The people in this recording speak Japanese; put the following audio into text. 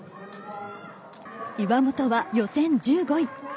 岩本は予選１５位。